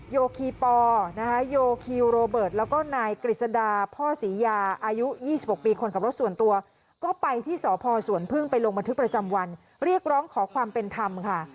โยคีปอนะคะโยคิวโรเบิร์ตแล้วก็นายกฤษดาพ่อศรียาอายุ๒๖ปีคนขับรถส่วนตัวก็ไปที่สพสวนพึ่งไปลงบันทึกประจำวันเรียกร้องขอความเป็นธรรมค่ะ